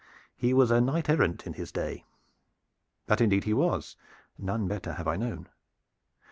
"He was a knight errant in his day." "That indeed he was none better have I known."